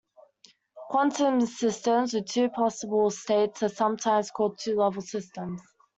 Quantum systems with two possible states are sometimes called two-level systems.